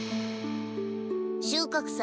収穫祭